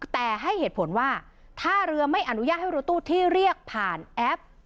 แต่ให้เหตุผลว่าถ้าเรือไม่อนุญาตให้รถตู้ที่เรียกผ่านแอป